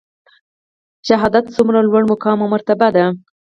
شهادت څومره لوړ مقام او مرتبه ده؟